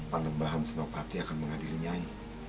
penembahan sunupati akan mengadil nyai